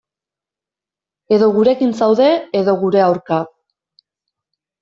Edo gurekin zaude, edo gure aurka.